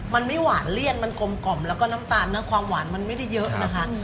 มันไม่หวานเลี่ยนมันกลมกล่อมแล้วก็น้ำตาลนะความหวานมันไม่ได้เยอะนะคะ